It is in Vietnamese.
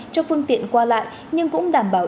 cho phương tiện qua lại nhưng cũng đảm bảo